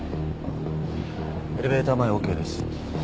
エレベーター前ＯＫです。